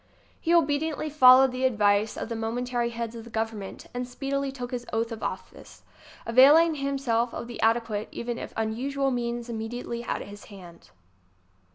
He obediently followed the advice of the momentary heads of the Government and speedily took his oath of officeŌĆö availing himself of the ade quate even if unusual means immediately at his hand.